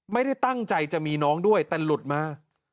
ไม่ได้ตั้งใจจะมีน้องด้วยแต่หลุดมา